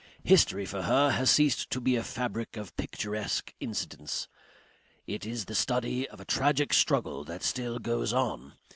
History, for her, has ceased to be a fabric of picturesque incidents; it is the study of a tragic struggle that still goes on.